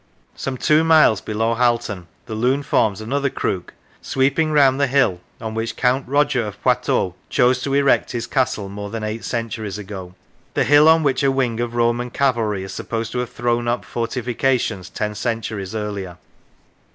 Some two miles below Halt on the Lune forms another crook, sweeping round the hill on which Count Roger of Poitou chose to erect his castle more than eight centuries ago : the hill on which a wing of Roman cavalry is supposed to have thrown up fortifications ten centuries earlier.